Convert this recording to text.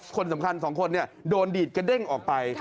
คนสำคัญ๒คนโดนดีดกระเด้งออกไป